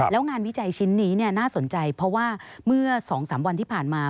แล้วงานวิจัยชิ้นนี้น่าสนใจเพราะว่าเมื่อ๒๓วันที่ผ่านมา